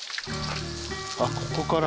あっここから。